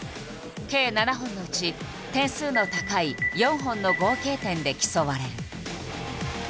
計７本のうち点数の高い４本の合計点で競われる。